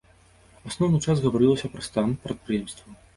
Асноўны час гаварылася пра стан прадпрыемстваў.